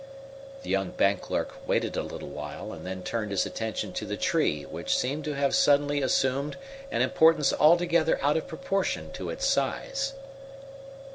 The young bank clerk waited a little while, and then turned his attention to the tree which seemed to have suddenly assumed an importance altogether out of proportion to its size.